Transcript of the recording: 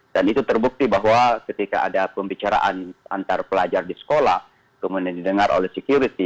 dan itu terbukti bahwa ketika ada pembicaraan antar pelajar di sekolah kemudian didengar oleh security